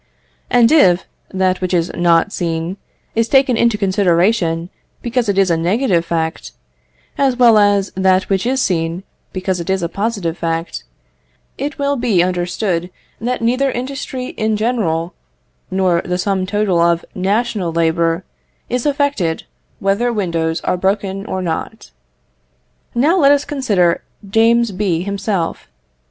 And if that which is not seen is taken into consideration, because it is a negative fact, as well as that which is seen, because it is a positive fact, it will be understood that neither industry in general, nor the sum total of national labour, is affected, whether windows are broken or not. Now let us consider James B. himself.